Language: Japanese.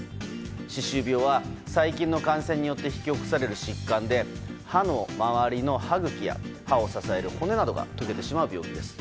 歯周病は細菌の感染によって引き起こされる疾患で歯の周りの歯茎や歯を支える骨などが溶けてしまう病気です。